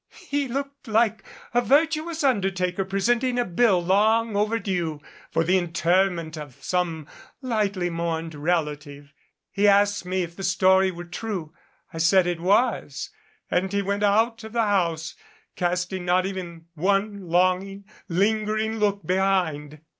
"He looked like a virtuous undertaker presenting a bill, long overdue, for the interment of some lightly mourned relative. He asked me if the story were true. I said it was and he went out of the house casting not even one longing, lingering look behind